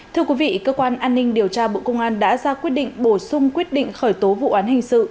thưa quý vị cơ quan an ninh điều tra bộ công an đã ra quyết định bổ sung quyết định khởi tố vụ án hình sự